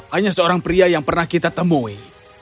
hanya seorang pria yang pernah kita temui